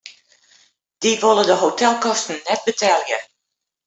Dy wolle de hotelkosten net betelje.